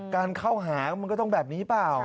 การเข้าหามันก็ต้องแบบนี้เปล่า